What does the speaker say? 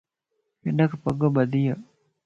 ھنک پڳ ٻڌيَ